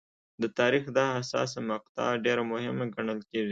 د تاریخ دا حساسه مقطعه ډېره مهمه ګڼل کېږي.